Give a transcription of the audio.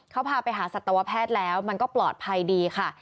เขาพาไปหาสัตวแพทย์แล้วมันก็ปลอดภัยดีค่ะ